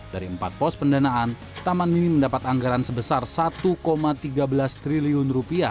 dari empat pos pendanaan taman mini mendapat anggaran sebesar rp satu tiga belas triliun